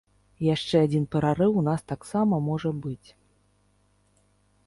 Яшчэ адзін прарыў у нас таксама можа быць.